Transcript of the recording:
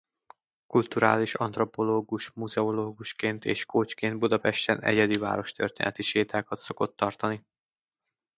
Kulturális antropológus-muzeológusként és coachként Budapesten egyedi várostörténeti sétákat szokott tartani.